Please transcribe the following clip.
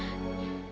dia bernyanyi forget